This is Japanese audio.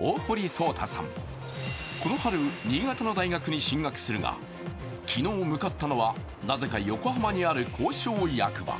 大堀蒼汰さん、この春、新潟の大学に進学するが、昨日向かったのは、なぜか横浜にある公証役場。